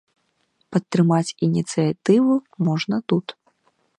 Падтрымаць ініцыятыву можна тут.